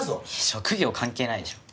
職業関係ないでしょ。